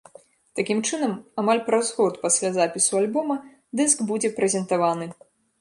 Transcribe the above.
Такім чынам, амаль праз год пасля запісу альбома дыск будзе прэзентаваны.